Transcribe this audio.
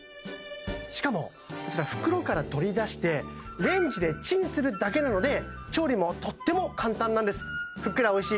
しかもこちら袋から取り出してレンジでチンするだけなので調理もとっても簡単なんですふっくらおいしい